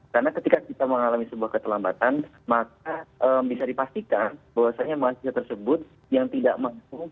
karena ketika kita mengalami sebuah keterlambatan maka bisa dipastikan bahwasannya mahasiswa tersebut yang tidak mampu